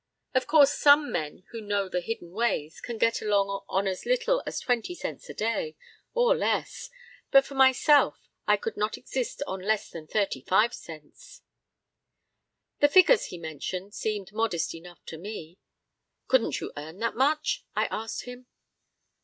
Of course, some men who know the hidden ways can get along on as little as twenty cents a day, or less, but for myself I could not exist on less than thirty five cents." The figures he mentioned seemed modest enough to me. "Couldn't you earn that much?" I asked him.